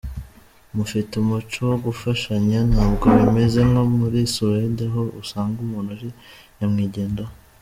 Mufite umuco wo gufashanya, ntabwo bimeze nko muri Suède aho usanga umuntu ari nyamwigendaho.